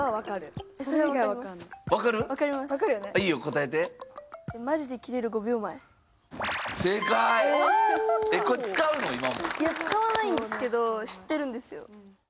いや使わないんですけど知ってるんですよ。